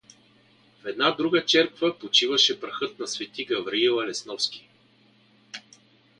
В друга една черква почиваше прахът на св. Гавриила Лесновски.